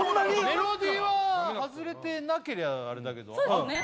メロディーは外れてなけりゃあれだけどそうですよね